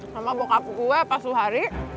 sama bokap gue pasuh hari